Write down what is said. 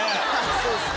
そうですね。